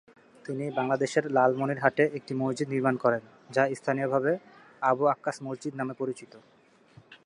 তিনি বাংলাদেশের লালমনিরহাটে একটি মসজিদ নির্মাণ করেন, যা স্থানীয়ভাবে আবু আক্কাস মসজিদ নামে পরিচিত।